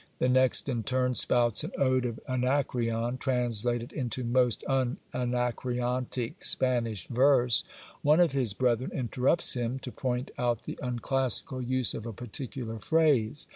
The next in turn spouts an ode of Anacreon, translated into most un anacreontic Spanish verse. One of his brethren interrupts him, to point out the unclassical use of a particular phrase.